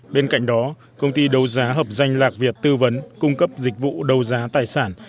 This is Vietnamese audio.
bên cạnh đó công ty đấu giá hợp danh lạc việt tư vấn cung cấp dịch vụ đấu giá tài sản